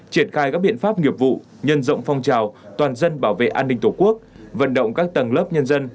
triển khai các biện pháp nghiệp vụ nhân rộng phong trào toàn dân bảo vệ an ninh tổ quốc vận động các tầng lớp nhân dân